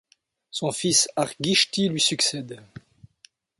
Son fils Argishti lui succède.